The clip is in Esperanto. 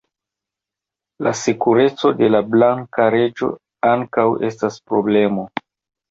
La sekureco de la blanka reĝo ankaŭ estas problemo.